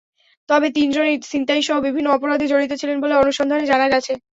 তবে তিনজনই ছিনতাইসহ বিভিন্ন অপরাধে জড়িত ছিলেন বলে অনুসন্ধানে জানা গেছে।